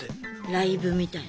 ライブみたいな？